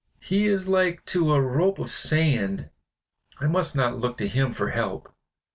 "He is like to a rope of sand; I must not look to him for help.